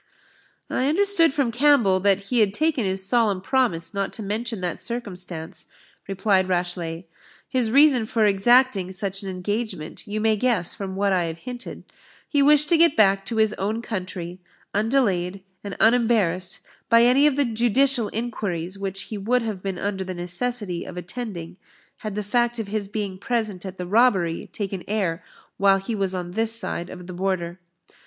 "I understood from Campbell, that he had taken his solemn promise not to mention that circumstance," replied Rashleigh: "his reason for exacting such an engagement you may guess from what I have hinted he wished to get back to his own country, undelayed and unembarrassed by any of the judicial inquiries which he would have been under the necessity of attending, had the fact of his being present at the robbery taken air while he was on this side of the Border.